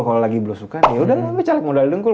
kalau lagi blusukan yaudah lah gue caleg modal dengkul